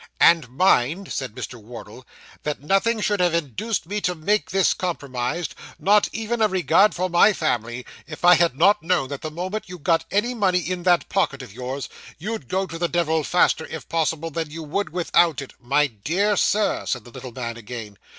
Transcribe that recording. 'And mind,' said Mr. Wardle, 'that nothing should have induced me to make this compromise not even a regard for my family if I had not known that the moment you got any money in that pocket of yours, you'd go to the devil faster, if possible, than you would without it ' 'My dear sir,' urged the little man again.